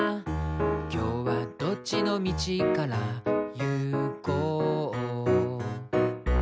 「きょうはどっちの道から行こう？」